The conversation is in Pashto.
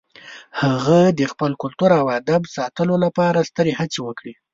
هغه د خپل کلتور او ادب ساتلو لپاره سترې هڅې وکړې.